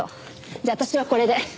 じゃあ私はこれで。